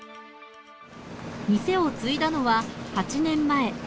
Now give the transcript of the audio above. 店を継いだのは８年前。